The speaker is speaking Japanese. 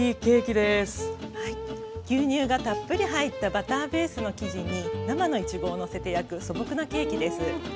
牛乳がたっぷり入ったバターベースの生地に生のいちごをのせて焼く素朴なケーキです。